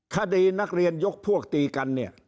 คดีนักเรียนยกพวกตีกันเนี่ย